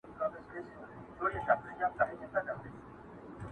جهاني نن مي له زاهده نوې واورېدله؛